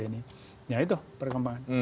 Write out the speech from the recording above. nah itu perkembangan